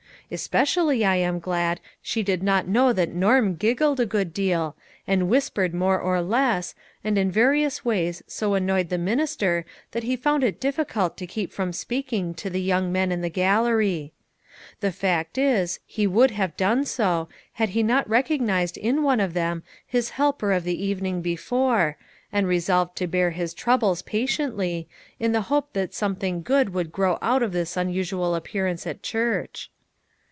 Especially I am glad she did not know that Norm giggled a good deal, and whispered more or less, and in various ways so annoyed the minister that he found it difficult to keep from speaking to the young men in the gallery. The fact is, he would have done so, had he not recognized in one of them his helper of the eve ning before, and resolved to bear his troubles pa tiently, in the hope that something good would grow out of this unusual appearance at church.